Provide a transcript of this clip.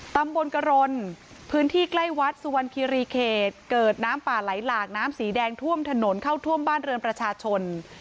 ตำบลกรณพื้นที่ใกล้วัดสุวรรณคิรีเขตเกิดน้ำป่าไหลหลากน้ำสีแดงท่วมถนนเข้าท่วมบ้านเรือนประชาชน